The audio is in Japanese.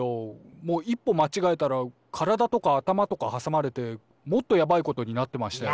もう一歩まちがえたらからだとか頭とかはさまれてもっとやばいことになってましたよ。